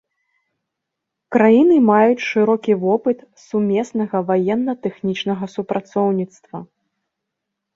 Краіны маюць шырокі вопыт сумеснага ваенна-тэхнічнага супрацоўніцтва.